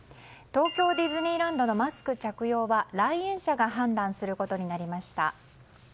東京ディズニーランドのマスク着用は来園者が判断することになりました。